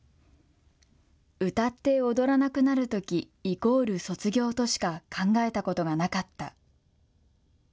歌って踊らなくなるときイコール卒業としか考えたことがなかった。